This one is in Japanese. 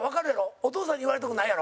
お父さんに言われたくないやろ？